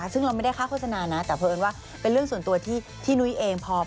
ซึ่งเราไม่ได้ค่าโฆษณานะแต่เพราะเอิญว่าเป็นเรื่องส่วนตัวที่นุ้ยเองพอ